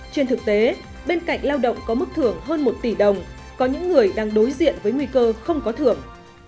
trên thực tế bên cạnh lao động có mức thưởng hơn một tỷ đồng có những người đang đối diện với nguy cơ không có thưởng